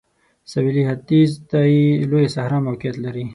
سویلي ختیځ ته یې لویه صحرا موقعیت لري.